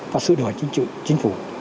và sự đòi chính phủ